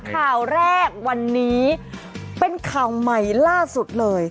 ข่าวแรกวันนี้เป็นข่าวใหม่ล่าสุดเลย